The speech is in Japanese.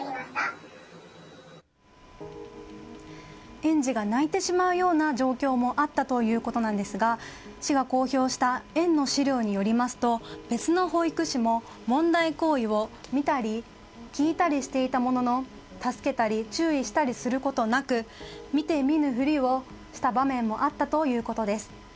園児が泣いてしまうような状況もあったということなんですが市が公表した園の資料によりますと別の保育士も、問題行為を見たり聞いたりしていたものの助けたり注意したりすることなく見て見ぬふりをした場面もあったということです。